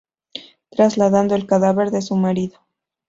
Trasladando el cadáver de su marido.